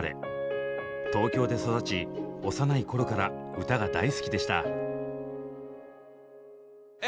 東京で育ち幼い頃から歌が大好きでした。